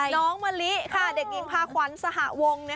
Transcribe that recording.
น้องมะลิค่ะเด็กหญิงพาขวัญสหวง